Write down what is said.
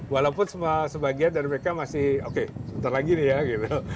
walaupun sebagian dari mereka masih oke sebentar lagi nih ya gitu